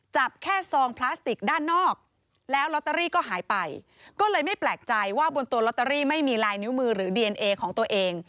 จับแค่ซองพลาสติกด้านนอกแล้วลอตเตอรี่ก็หายไปก็เลยไม่แปลกใจว่าบนตัวลอตเตอรี่ไม่มีลายนิ้วมือหรือดีเอนเอของตัวเอง